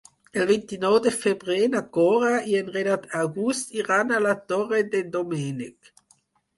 El vint-i-nou de febrer na Cora i en Renat August iran a la Torre d'en Doménec.